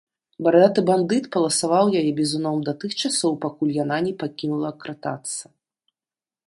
Барадаты бандыт паласаваў яе бізуном да тых часоў, пакуль яна не пакінула кратацца.